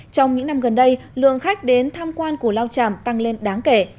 trong những năm gần đây lượng khách đến tham quan cù lao chảm tăng lên đáng kể